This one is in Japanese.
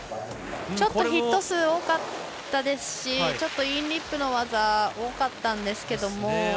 ちょっとヒット数が多かったですしインリップの技が多かったんですけれども。